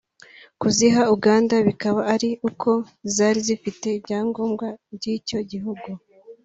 kuziha Uganda bikaba ari uko zari zifite ibyangombwa by’icyo gihugu